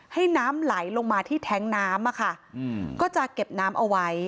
ให้น้ำไหลลงมาที่แท้งน้ำอะค่ะก็จะเก็บน้ำเอาไว้